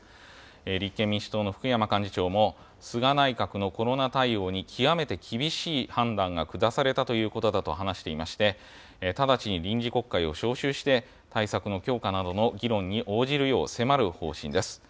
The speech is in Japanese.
立憲民主党の福山幹事長も、菅内閣のコロナ対応に極めて厳しい判断が下されたということだと話していまして、直ちに臨時国会を召集して、対策の強化などの議論に応じるよう迫る方針です。